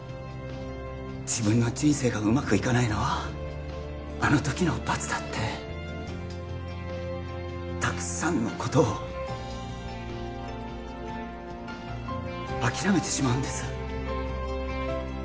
自分の人生がうまくいかないのはあのときの罰だってたくさんのことを諦めてしまうんです